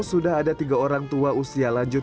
sudah ada tiga orang tua usia lanjut